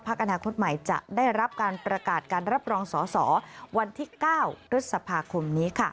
อนาคตใหม่จะได้รับการประกาศการรับรองสอสอวันที่๙พฤษภาคมนี้ค่ะ